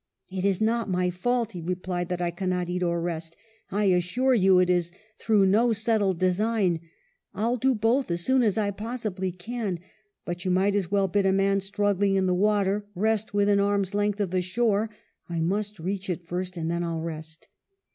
"\ It is not my fault,' he re plied, 'that I cannot eat or rest. I assure you it is through no settled design. I'll do both as soon as I possibly can. But you might as well bid a man struggling in the water rest within arm's length of the shore. I must reach it first and then I'll rest.